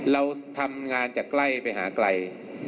เราทำงานจากใกล้ไปหาไกล